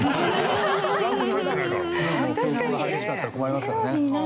競争が激しくなったら困りますからね。